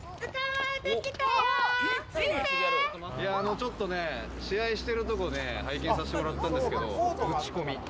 ちょっとね、試合してるとこを拝見させてもらったんですけど、もうぶち込み。